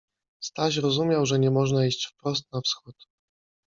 Staś rozumiał, że nie można iść wprost na wschód.